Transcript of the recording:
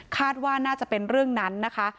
คาดว่าน่าจะเป็นเรื่องนั้นนะคะ